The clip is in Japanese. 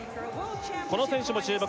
この選手も注目